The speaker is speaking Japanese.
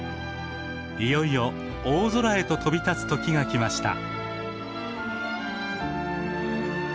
いよいよ大空へと飛び立つ時が来ました。